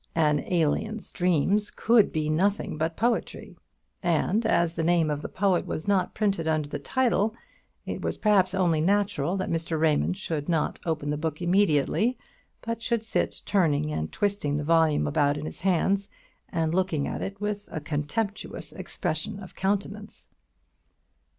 An alien's dreams could be nothing but poetry; and as the name of the poet was not printed under the title, it was perhaps only natural that Mr. Raymond should, not open the book immediately, but should sit turning and twisting the volume about in his hands, and looking at it with a contemptuous expression of countenance.